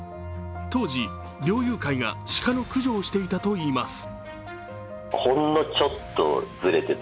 当時、猟友会が鹿の駆除をしていたといいます。